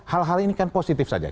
hal hal ini kan positif saja